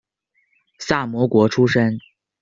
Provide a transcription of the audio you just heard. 萨摩国出身。